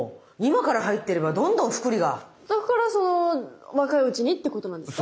だからその若いうちにっていうことなんですか？